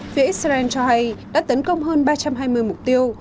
phía israel cho hay đã tấn công hơn ba trăm hai mươi mục tiêu